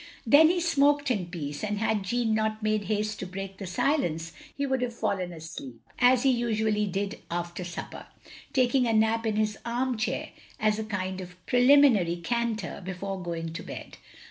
Then he smoked in peace, and had Jeanne not made haste to break the silence, he would have fallen asleep, as he usually did after supper, taking a nap in his arm chair as a kind of pre liminary canter before going to bed.